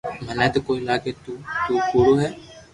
مني تو ڪوئي لاگي تو تو ڪوڙو ھي